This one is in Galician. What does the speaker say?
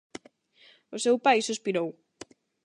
O seu pai suspirou.